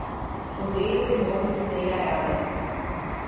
Odeio o nome que dei a ela